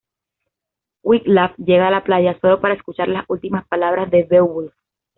Wiglaf llega a la playa, sólo para escuchar las últimas palabras de Beowulf.